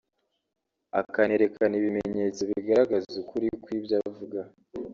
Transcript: akanerekana ibimenyetso bigaragaza ukuri kw’ibyo avuga